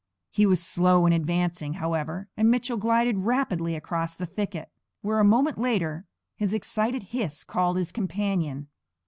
He was slow in advancing, however, and Mitchell glided rapidly across the thicket, where a moment later his excited hiss called his companion.